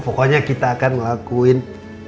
pokoknya kita akan melakuin